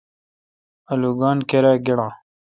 آلوگان کیرا گیڈا۔